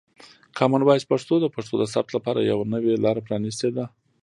کامن وایس پښتو د پښتو د ثبت لپاره یوه نوې لاره پرانیستې ده.